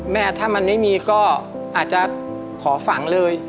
แม่ถ้ามันไม่มีก็อาจจะขอฝังเลย